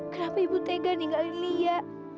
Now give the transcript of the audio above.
kenapa ibu tega ninggalin lia